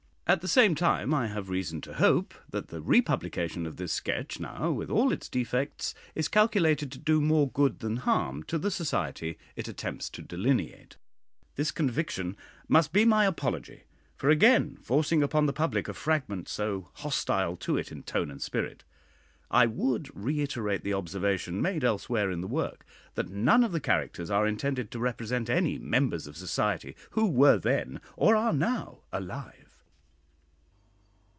At the same time, I have reason to hope that the republication of this sketch now, with all its defects, is calculated to do more good than harm to the society it attempts to delineate. This conviction must be my apology for again forcing upon the public a fragment so hostile to it in tone and spirit. I would reiterate the observation made elsewhere in the work, that none of the characters are intended to represent any members of society who were then, or are now, alive.